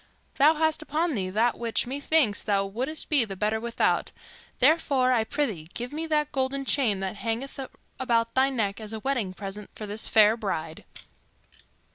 Thou hast upon thee that which, methinks, thou wouldst be the better without; therefore, I prythee, give me that golden chain that hangeth about thy neck as a wedding present for this fair bride."